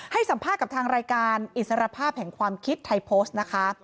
ให้สัมภาษณ์กับทางรายการอิสรภาพแห่งความคิดไทยโพสต์นะคะ